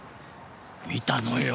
見たのよ。